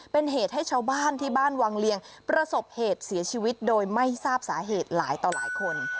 เป็นเหตุให้ชาวบ้านที่บ้านวังเลียงประสบเหตุเสียชีวิตโดยไม่ทราบสาเหตุหลายต่อหลายคน